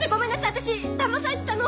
私だまされてたの。